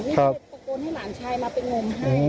ไม่เคยตะโกนให้หลานชายมาเป็นงมให้